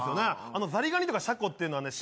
あのザリガニとかシャコっていうのはね